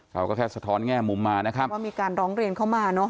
เราก็แค่สะท้อนแง่มุมมานะครับว่ามีการร้องเรียนเข้ามาเนอะ